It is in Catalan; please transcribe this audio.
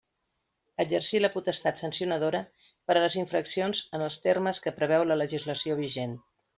Exercir la potestat sancionadora per a les infraccions en els termes que preveu la legislació vigent.